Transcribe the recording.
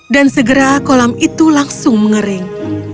dan segera kolam itu langsung mengering